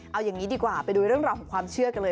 เอาอย่างนี้ดีกว่าไปดูเรื่องราวของความเชื่อกันเลย